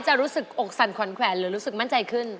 รู้สึกอกสั่นขวัญแขวนหรือรู้สึกมั่นใจขึ้น